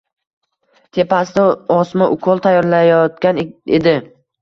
Tepasida osma ukol tayyorlayotgan edi.